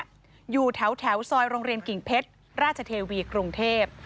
อยู่แถวซอยโรงเรียนกิ่งเพชรราชเทวีกรุงเทพ